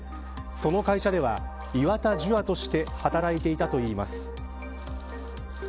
その会社では、岩田樹亞として働いていたといいます。